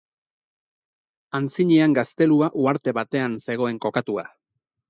Antzinean gaztelua uharte batean zegoen kokatua.